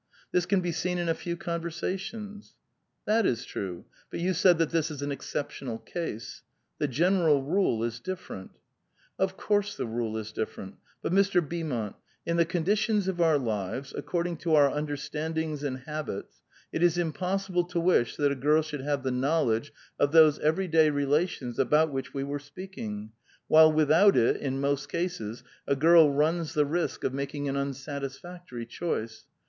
This can be seen in a few conversations." *'*' That is true ; but you said that this is an exceptional case. The general rule is different." ''Of course the rule is dififerent. But, Mr. Beaumont, in the conditions of our lives, according to our understandings and habits, it is impossible to wish that a girl should have the knowledge of those every day relations, about which we were speaking, while without it, in most cases, a girl runs the risk of making an unsatisfactory choice.